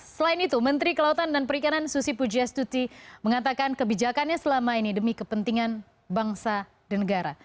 selain itu menteri kelautan dan perikanan susi pujastuti mengatakan kebijakannya selama ini demi kepentingan bangsa dan negara